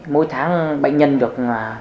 mỗi tháng bệnh nhân được